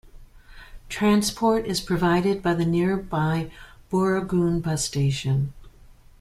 Transport is provided by the nearby Booragoon bus station.